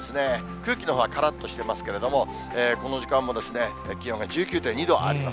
空気のほうはからっとしてますけれども、この時間も気温が１９．２度あります。